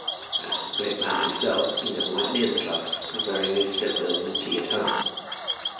As for the great man himself, he never went near the club, preferring his slippers and tea at home.